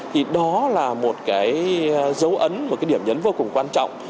thì đó là một cái dấu ấn một cái điểm nhấn vô cùng quan trọng